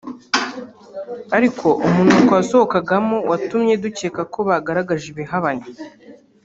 ariko “umunuko wasohokagamo watumye dukeka ko bagaragaje ibihabanye